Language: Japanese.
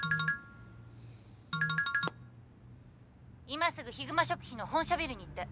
今すぐひぐま食品の本社ビルに行って。